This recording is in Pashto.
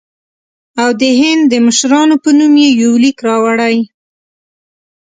او د هند د مشرانو په نوم یې یو لیک راوړی.